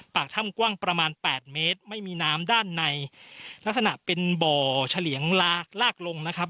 ปากถ้ำกว้างประมาณแปดเมตรไม่มีน้ำด้านในลักษณะเป็นบ่อเฉลี่ยงลากลากลงนะครับ